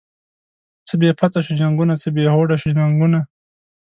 څه بی پته شوو جنگونه، څه بی هوډه شوو ننگونه